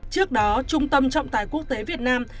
trước đó trung tâm trọng tài quốc tế việt nam